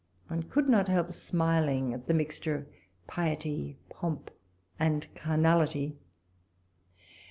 One could not help smiling at the mixture of piety, pomp, and carnality.